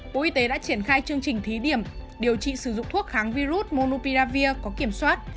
bộ y tế đã triển khai chương trình thí điểm điều trị sử dụng thuốc kháng virus monupiravir có kiểm soát